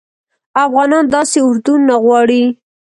افغانان داسي اردوه نه غواړي